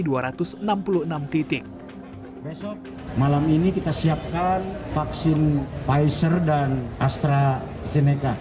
besok malam ini kita siapkan vaksin pfizer dan astrazeneca